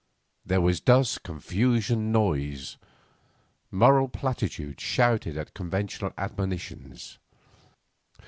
There was dust, confusion, noise. Moral platitudes shouted at conventional admonitions.